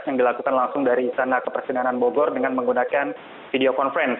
yang dilakukan langsung dari sana ke presiden ann bogor dengan menggunakan video conference